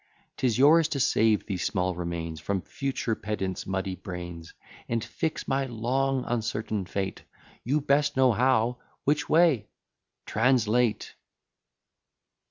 'Tis yours to save these small remains From future pedant's muddy brains, And fix my long uncertain fate, You best know how "which way?" TRANSLATE.